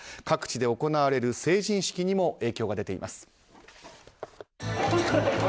各地で行われる成人式にも影響が出ています。